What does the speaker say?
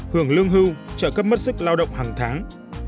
hưởng lương hưu trợ cấp mất sức lao động hàng tháng